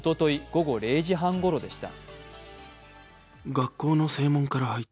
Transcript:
午後０時半ごろでした